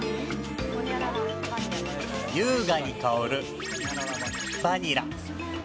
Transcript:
優雅に香る×××バニラ。